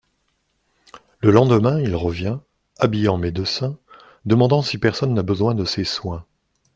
Le lendemain, il revient, habillé en médecin, demandant si personne n'a besoin de ses soins.